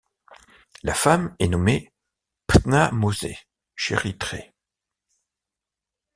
La femme est nommée Ptahmosé Cheritrê.